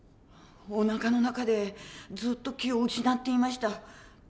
おなかの中でずっと気を失っていました。